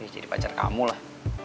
jadi pacar kamu lah